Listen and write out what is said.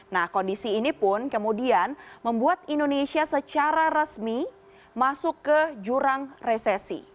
nah kondisi ini pun kemudian membuat indonesia secara resmi masuk ke jurang resesi